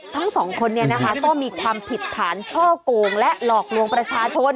ทั้ง๒คนนี่นะคะก็มีความผิดสถานเช่าโกงและหลอกลวงประชาชน